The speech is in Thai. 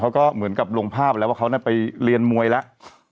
เขาก็เหมือนกับลงภาพแล้วว่าเขาไปเรียนมวยแล้ว